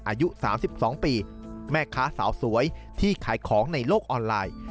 อายุ๓๒ปีแม่ค้าสาวสวยที่ขายของในโลกออนไลน์